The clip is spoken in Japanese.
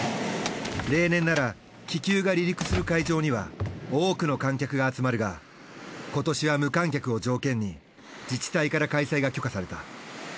例年なら気球が離陸する会場には多くの観客が集まるが今年は無観客を条件に自治体から開催が許可された。